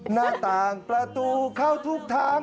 หน้าต่างประตูเข้าทุกทาง